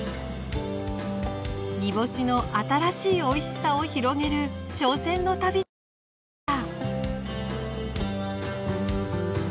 煮干しの新しいおいしさを広げる挑戦の旅となりました。